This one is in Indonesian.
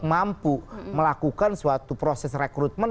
mampu melakukan suatu proses rekrutmen